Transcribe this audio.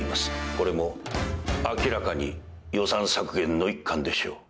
これも明らかに予算削減の一環でしょう。